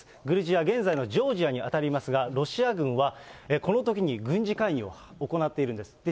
グルジア、現在のジョージアに当たりますが、ロシア軍はこのときに、軍事介入を行っているんです。